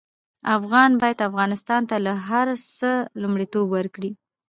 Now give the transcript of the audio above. افغانان باید افغانستان ته له هر څه لومړيتوب ورکړي